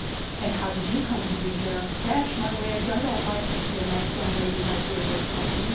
'And how did you come to be here? Dash my wig, I don't like to see a nice young lady like you in this company.